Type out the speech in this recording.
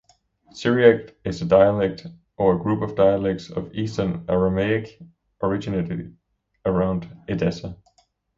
Syriac is a dialect, or group of dialects, of Eastern Aramaic, originating around Edessa.